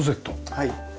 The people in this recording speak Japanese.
はい。